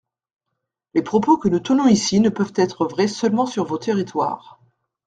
Les propos que nous tenons ici ne peuvent être vrais seulement sur vos territoires.